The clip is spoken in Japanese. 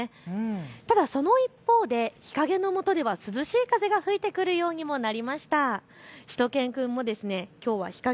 ただ、その一方で日陰のもとでは涼しい風が吹いてくるようにもなりました。